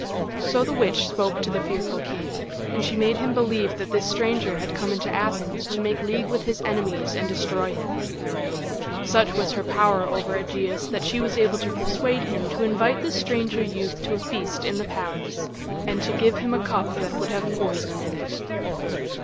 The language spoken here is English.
So the witch spoke to the fearful king, and she made him believe that this stranger had come into Athens to make league with his enemies and destroy him. Such was her power over Ægeus that she was able to persuade him to invite the stranger youth to a feast in the palace, and to give him a cup that would have poison in it.